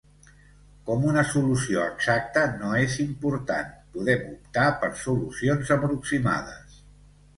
Com una solució exacta no és important, podem optar per solucions aproximades.